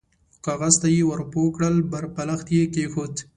کاغذ ته يې ور پوه کړل، پر بالښت يې کېښود.